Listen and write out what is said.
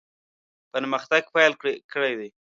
پرمختګ پیل کړی دی.